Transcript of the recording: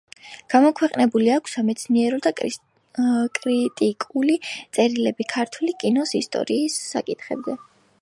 გამოქვეყნებული აქვს სამეცნიერო და კრიტიკული წერილები ქართული კინოს ისტორიის საკითხებზე.